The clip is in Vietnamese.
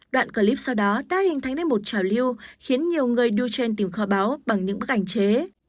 đoạn clip sau đó đã hình thành nên một trào lưu khiến nhiều người đưa trên tìm kho báo bằng những bức ảnh chế